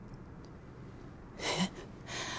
えっ？